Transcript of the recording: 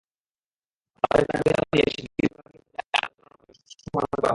তাঁদের দাবি-দাওয়া নিয়ে শিগগির বিভাগীয় পর্যায়ে আলোচনার মাধ্যমে সুষ্ঠু সমাধান করা হবে।